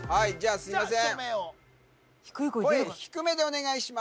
すいません